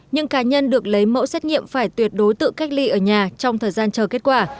những cá nhân được lấy mẫu xét nghiệm phải tuyệt đối tự cách ly ở nhà trong thời gian chờ kết quả